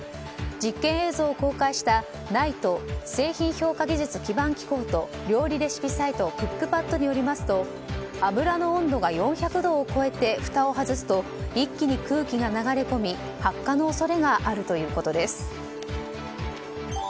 実験映像を公開した、ＮＩＴＥ・製品評価技術基盤機構と料理レシピサイトクックパッドによりますと油の温度が４００度を超えてふたを外すと一気に空気が流れ込み発火の恐れがあるということです。